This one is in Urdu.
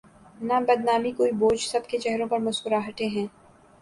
نہ بدنامی کوئی بوجھ سب کے چہروں پر مسکراہٹیں ہیں۔